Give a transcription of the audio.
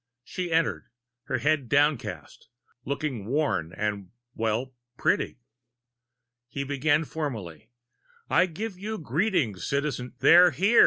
She entered, her head downcast, looking worn and well, pretty. He began formally: "I give you greeting, Citi " "They're here!"